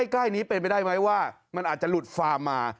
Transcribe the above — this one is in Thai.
ใกล้นี้เป็นไปได้ไหมว่ามันอาจจะหลุดฟาร์มมา